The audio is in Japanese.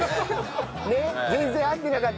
ねっ？